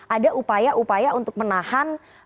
ada upaya upaya untuk menahan